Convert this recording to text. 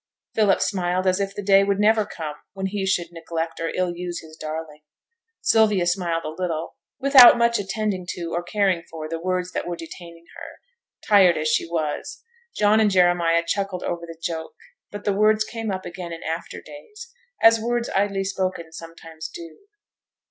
Philip smiled as if the day would never come when he should neglect or ill use his darling; Sylvia smiled a little, without much attending to, or caring for, the words that were detaining her, tired as she was; John and Jeremiah chuckled over the joke; but the words came up again in after days, as words idly spoken sometimes do.